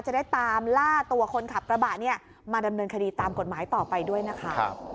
จะได้ตามล่าตัวคนขับกระบะเนี่ยมาดำเนินคดีตามกฎหมายต่อไปด้วยนะคะ